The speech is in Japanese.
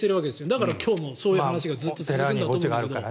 だから今日もそういう話がずっと続くんだと思うんですけど。